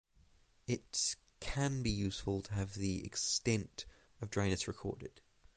It can be useful to have the extent of dryness recorded.